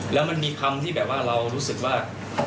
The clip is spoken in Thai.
แล้วมันมีคำที่แบบว่าเรารู้สึกว่า